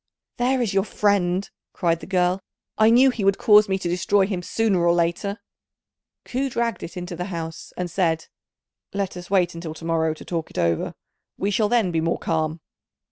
"There is your friend," cried the girl; "I knew he would cause me to destroy him sooner or later." Ku dragged it into the house, and said, "Let us wait till to morrow to talk it over; we shall then be more calm."